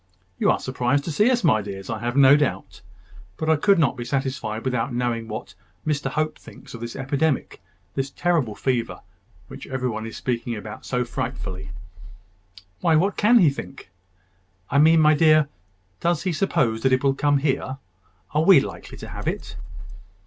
"You are surprised to see us, my dears, I have no doubt. But I could not be satisfied without knowing what Mr Hope thinks of this epidemic, this terrible fever, which every one is speaking about so frightfully." "Why, what can he think?" "I mean, my dear, does he suppose that it will come here? Are we likely to have it?"